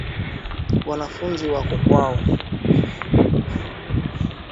Wanafuzi wako kwao.